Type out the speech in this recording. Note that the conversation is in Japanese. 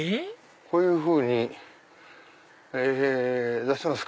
こういうふうに出します。